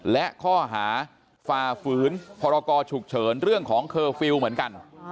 และข้อหาฝ่าฝืนพรกรฉุกเฉินเรื่องของเคอร์ฟิลล์เหมือนกัน